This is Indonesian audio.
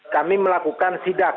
kami melakukan sidak